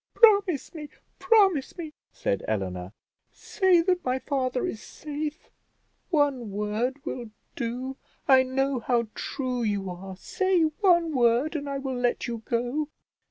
"Promise me, promise me," said Eleanor; "say that my father is safe; one word will do. I know how true you are; say one word, and I will let you go."